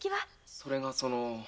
それがその。